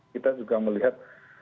kita juga melihat